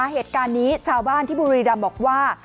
เหตุการณ์นี้ชาวบ้านที่บุรีรำบอกว่า